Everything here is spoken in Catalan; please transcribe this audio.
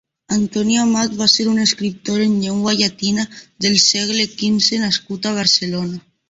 Antoni Amat va ser un escriptor en llengua llatina del segle quinze nascut a Barcelona.